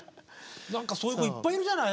何かそういう子いっぱいいるじゃない。